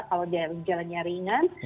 kalau dia jalan jalan ringan